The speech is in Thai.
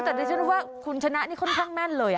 แต่ดิฉันว่าคุณชนะนี่ค่อนข้างแม่นเลย